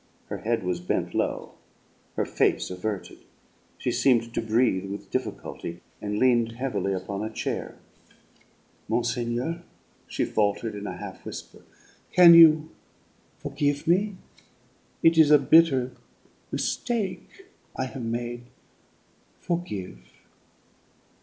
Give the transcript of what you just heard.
Her head was bent low, her face averted. She seemed to breathe with difficulty, and leaned heavily upon a chair. "Monseigneur," she faltered in a half whisper, "can you forgive me? It is a bitter mistake I have made. Forgive."